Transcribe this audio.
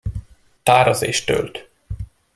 Táraz és tölt!